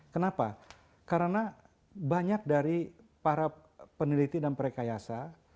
kenapa karena banyak dari para peneliti dan prekayasa